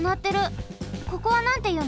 ここはなんていうの？